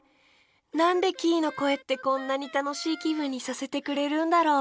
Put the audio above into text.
なんでキイのこえってこんなにたのしいきぶんにさせてくれるんだろう。